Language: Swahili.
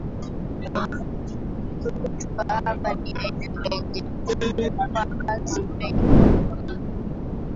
Rutuba na hapa ni eneo lenye wakazi wengi